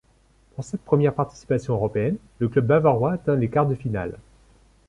Pour cette première participation européenne, le club bavarois atteint les quarts de finale.